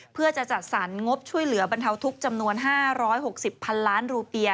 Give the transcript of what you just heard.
เพื่อจะจัดสรรงบช่วยเหลือบรรเทาทุกข์จำนวน๕๖๐๐๐ล้านรูเปีย